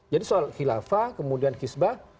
jadi soal khilafah kemudian hizbah